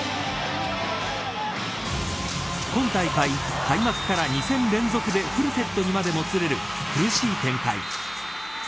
今大会、開幕から２戦連続でフルセットにまでもつれる苦しい展開。